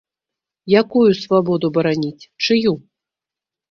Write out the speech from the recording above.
Якую свабоду бараніць, чыю?